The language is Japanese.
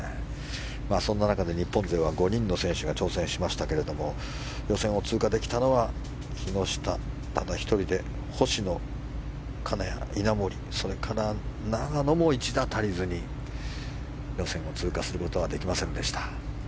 そんな中で日本勢は５人の選手が挑戦しましたが予選を通過できたのは木下ただ一人で星野、金谷、稲森それから永野も１打足りずに予選を通過することはできませんでした。